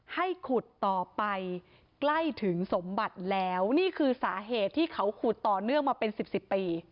ให้ขุดต่อไปใกล้ถึงสมบัติแล้วนี่คือสาเหตุที่เขาขุดต่อเนื่องมาเป็นสิบสิบปี